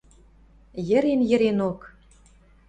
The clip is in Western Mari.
Йӹрен-йӹренок: